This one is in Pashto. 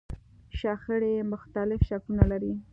شخړې مختلف شکلونه لري.